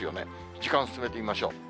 時間進めてみましょう。